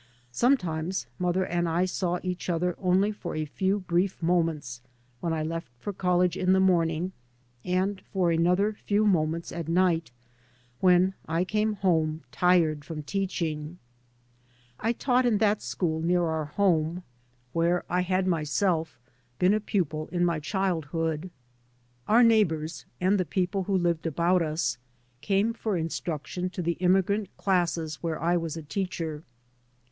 Sometimes mother and I saw each other only for a few brief moments when I left for college In the morning, and for another few moments at night when I came home, tired from teaching. I taught in that school near our home where 3 by Google MY MOTHER AND I I bad myself been a pupil m my cbildbood. Our neighbours and the people who lived about us came for mstruction to the immi grant classes where I was a teacher.